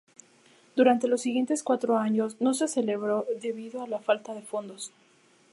Durante los siguientes cuatro años no se celebró debido a la falta de fondos.